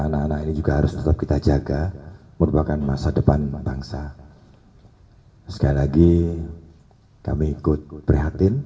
anak anak ini juga harus tetap kita jaga merupakan masa depan bangsa sekali lagi kami ikut prihatin